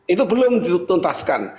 itu belum dituntaskan